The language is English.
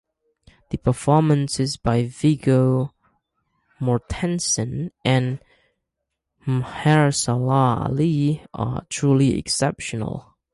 The performances by Viggo Mortensen and Mahershala Ali are truly exceptional.